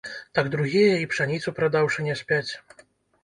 Так другія і пшаніцу прадаўшы не спяць.